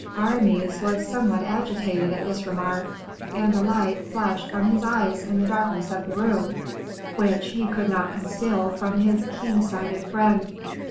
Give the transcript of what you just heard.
Aramis was somewhat agitated at this remark, and a light flashed from his eyes in the darkness of the room, which he could not conceal from his keen sighted friend.